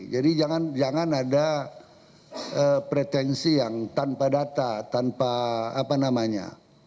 jadi jangan ada pretensi yang tanpa data tanpa apa namanya